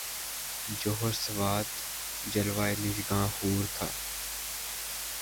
جوہر سواد جلوۂ مژگان حور تھا